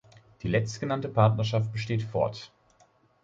Die letztgenannte Partnerschaft besteht fort.